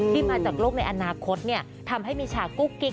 มาจากโลกในอนาคตทำให้มีฉากุ๊กกิ๊ก